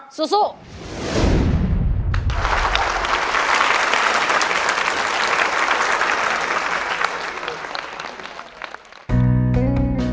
เพลงที่๒มาเลยครับ